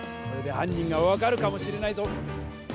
これで犯人が分かるかもしれないぞ。